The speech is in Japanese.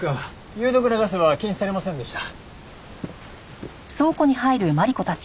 有毒なガスは検出されませんでした。